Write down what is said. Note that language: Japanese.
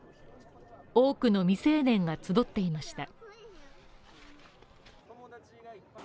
多くの未成年が集っていました。